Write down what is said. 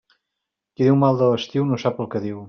Qui diu mal de l'estiu, no sap el que diu.